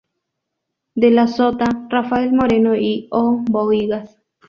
De la Sota, Rafael Moneo y O. Bohigas.